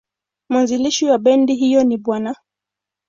Mwanzilishi wa bendi hiyo ni Bw.